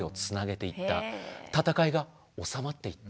戦いが収まっていった。